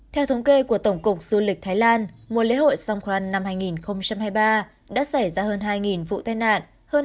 theo thống kê của tổng cục du lịch thái lan mùa lễ hội song khoan năm hai nghìn hai mươi ba đã xảy ra hơn hai vụ tai nạn